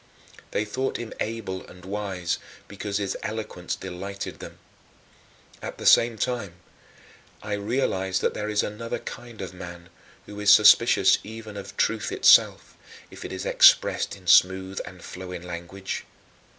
They thought him able and wise because his eloquence delighted them. At the same time I realized that there is another kind of man who is suspicious even of truth itself, if it is expressed in smooth and flowing language.